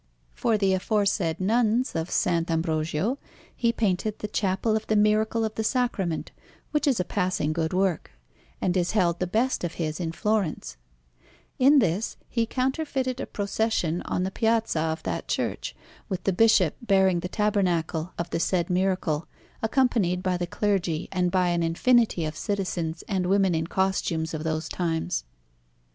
For the aforesaid Nuns of S. Ambrogio he painted the Chapel of the Miracle of the Sacrament, which is a passing good work, and is held the best of his in Florence; in this he counterfeited a procession on the piazza of that church, with the Bishop bearing the Tabernacle of the said Miracle, accompanied by the clergy and by an infinity of citizens and women in costumes of those times.